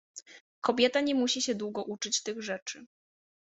— Kobieta nie musi się długo uczyć tych rzeczy.